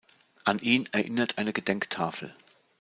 An ihn erinnert eine Gedenktafel.